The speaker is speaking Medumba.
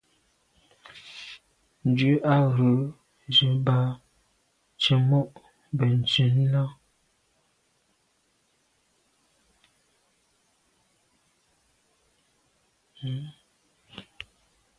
Ndù à ghù ze mba tsemo’ benntùn nà.